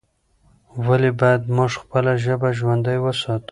ولې باید موږ خپله ژبه ژوندۍ وساتو؟